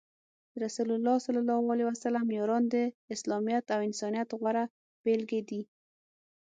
د رسول الله ص یاران د اسلامیت او انسانیت غوره بیلګې دي.